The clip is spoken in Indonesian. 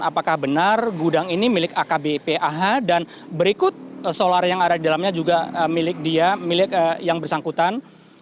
apakah benar gudang ini milik akbp ah dan berikut solar yang ada di dalamnya juga milik dia milik yang bersangkutan